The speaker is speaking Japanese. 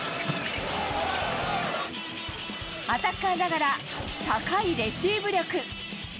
アタッカーながら、高いレシーブ力。